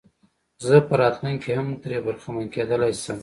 زه په راتلونکي کې هم ترې برخمن کېدلای شم.